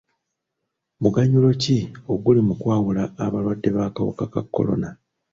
Muganyulo ki oguli mu kwawula abalwadde b'akawuka ka kolona.